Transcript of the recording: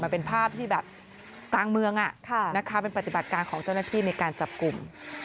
มันเป็นภาพที่แบบกลางเมืองเป็นปฏิบัติการของเจ้าหน้าที่ในการจับกลุ่ม